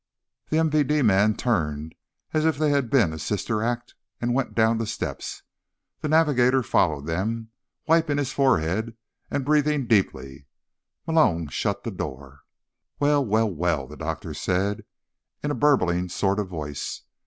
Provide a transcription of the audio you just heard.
_" The MVD men turned, as if they'd been a sister act, and went down the steps. The navigator followed them, wiping his forehead and breathing deeply. Malone shut the door. "Well, well, well," the doctor said, in a burbling sort of voice.